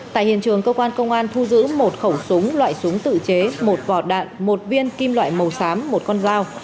tại hiện trường cơ quan công an thu giữ một khẩu súng loại súng tự chế một vỏ đạn một viên kim loại màu xám một con dao